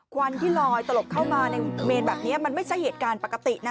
วันที่ลอยตลบเข้ามาในเมนแบบนี้มันไม่ใช่เหตุการณ์ปกตินะ